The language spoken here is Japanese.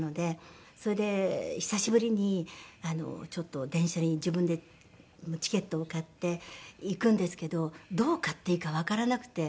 それで久しぶりにちょっと電車に自分でチケットを買って行くんですけどどう買っていいかわからなくて。